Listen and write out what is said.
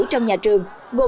trong nhà trường và cộng đồng